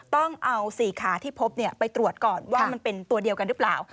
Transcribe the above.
ต้องเอา๔ขาที่พบไปตรวจก่อนว่ามันเป็นตัวเดียวกันหรือเปล่า